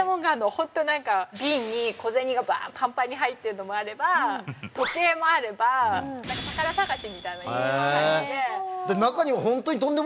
ホントなんか瓶に小銭がバーッパンパンに入ってるのもあれば時計もあればなんかあるあるある！